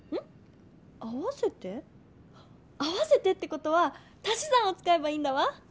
合わせてってことはたしざんをつかえばいいんだわ。